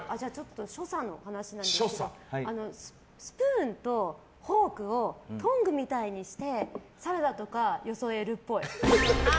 所作の話なんですけどスプーンとフォークをトングみたいにしてサラダとかよそえるっぽい。